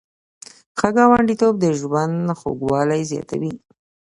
ښه ګاونډیتوب د ژوند خوږوالی زیاتوي.